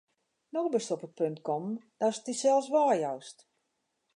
No bist op it punt kommen, datst dysels weijoust.